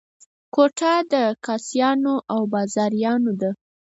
کوټه د کاسيانو او بازیانو ده.